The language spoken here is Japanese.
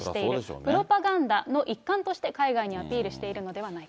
プロパガンダの一環として海外にアピールしているのではないか。